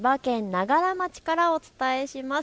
長柄町からお伝えします。